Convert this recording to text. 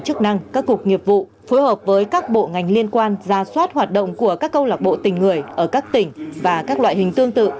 chức năng các cục nghiệp vụ phối hợp với các bộ ngành liên quan ra soát hoạt động của các câu lạc bộ tình người ở các tỉnh và các loại hình tương tự